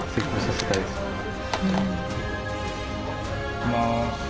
いきます。